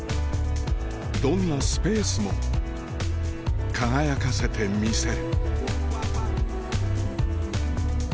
どんなスペースも輝かせてみせる